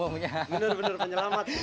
bener bener penyelamat sih